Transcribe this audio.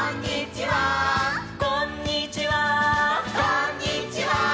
「こんにちは」「」